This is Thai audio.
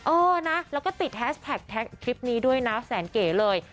เออนะแล้วก็ติดแฮสแท็กทริปนี้ด้วยนะแสนเก๋เลย